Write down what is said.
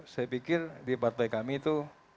saya pikir di partai kami itu